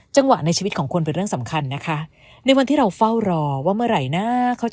จังหวะในชีวิตของคนเป็นเรื่องสำคัญนะคะ